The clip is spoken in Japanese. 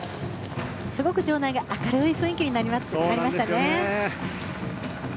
すごく場内が明るい雰囲気になりましたね。